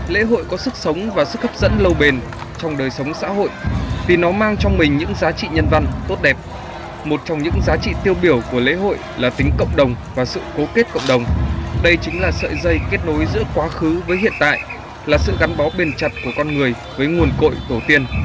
lễ hội có sức sống và sức hấp dẫn lâu bền trong đời sống xã hội vì nó mang trong mình những giá trị nhân văn tốt đẹp một trong những giá trị tiêu biểu của lễ hội là tính cộng đồng và sự cố kết cộng đồng đây chính là sợi dây kết nối giữa quá khứ với hiện tại là sự gắn bó bền chặt của con người với nguồn cội tổ tiên